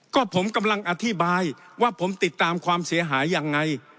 ก็ผมกำลังอธิบายว่าผมติดตามความเสียหายยังไง